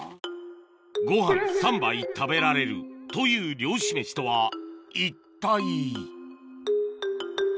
ご飯３杯食べられるという漁師メシとは一体？